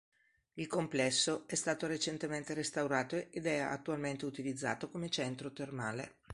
Il complesso è stato recentemente restaurato ed è attualmente utilizzato come centro termale.